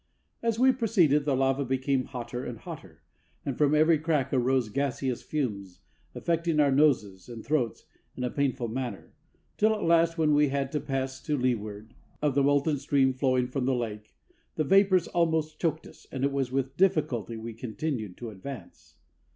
As we proceeded, the lava became hotter and hotter, and from every crack arose gaseous fumes, affecting our noses and throats in a painful manner; till at last, when we had to pass to leeward [Footnote: Leeward: away from the wind.] of the molten stream flowing from the lake, the vapors almost choked us, and it was with difficulty we continued to advance.